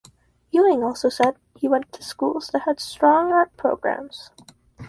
Ewing also said he went to schools that had strong art programs.